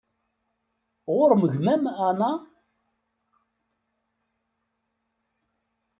Ɣur-m gma-m a Ana?